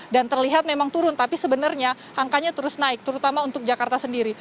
dan terlihat memang turun tapi sebenarnya angkanya terus naik terutama untuk jakarta sendiri